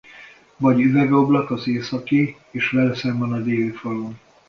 Vagy üvegablak az északi és vele szemben a déli falon.